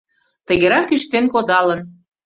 Тыгерак кӱштен кодалын: